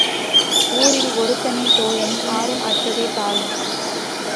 ஊரில் ஒருத்தனே தோழன் ஆரும் அற்றதே தாரம்.